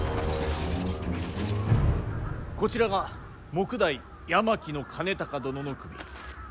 こちらが目代山木兼隆殿の首。